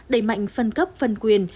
đầy mạnh phân cấp phân quyền